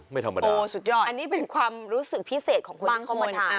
ไม่ธรรมดาโอ้สุดยอดอันนี้เป็นความรู้สึกพิเศษของคนที่เข้ามาทาน